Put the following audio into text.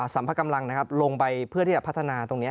สัมพกำลังนะครับลงไปเพื่อที่จะพัฒนาตรงนี้